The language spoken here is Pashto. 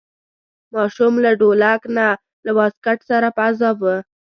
ماشوم له ډولک نه له واسکټ سره په عذاب و.